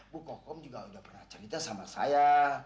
bu kokom juga udah pernah cerita sama saya